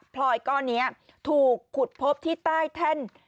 พลอยก้อนนี้ถูกขุดพบที่ใต้แท่น